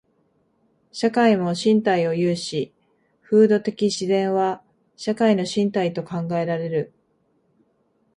社会も身体を有し、風土的自然は社会の身体と考えられる。